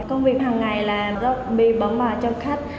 công việc hằng ngày là rất bị bấm vào cho khách